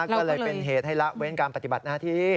ก็เลยเป็นเหตุให้ละเว้นการปฏิบัติหน้าที่